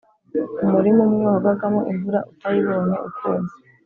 umurima umwe wagwagamo imvura, utayibonye ukuma;